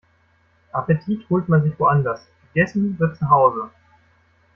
Appetit holt man sich woanders, gegessen wird zu Hause.